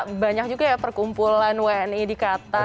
oke ternyata banyak juga ya perkumpulan wni di qatar